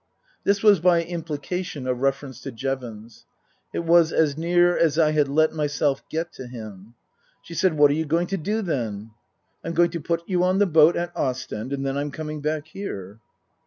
1 ' This was by implication a reference to Jevons. It was as near as I had let myself get to him. She said, " What are you going to do, then ?" "I'm going to put you on the boat at Ostend, and then I'm coming back here."